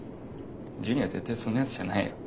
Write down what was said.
ジュニは絶対そんなやつじゃないよ。